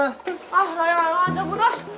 ah rayang rayang aja gue tuh